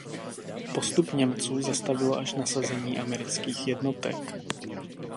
Postup Němců zastavilo až nasazení amerických jednotek.